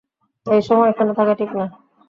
এই সময় এখানে থাকা ঠিক না।